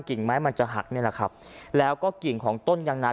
ไม้มันจะหักนี่แหละครับแล้วก็กิ่งของต้นยางนา